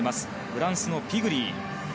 フランスのピグリー。